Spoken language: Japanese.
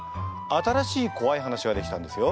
新しいこわい話が出来たんですよ。